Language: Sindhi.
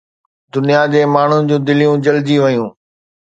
دنيا جي ماڻهن جون دليون جلجي ويون